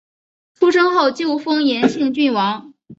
出生后就封延庆郡王。